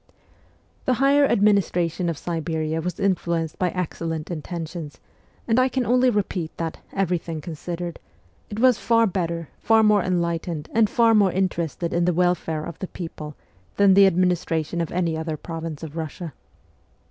The higher administration of Siberia was influenced by excellent intentions, and I can only repeat that, every thing considered, it was far better, far more enlightened, and far more interested in the welfare of the people than the administration of any other province of Russia.